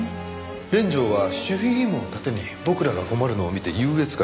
連城は守秘義務を盾に僕らが困るのを見て優越感に浸ってる。